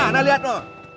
nah lihat lu